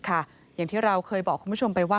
อย่างที่เราเคยบอกคุณผู้ชมไปว่า